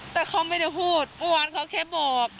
แต่เขาไม่ได้พูดเมื่อวานเขาแค่บอก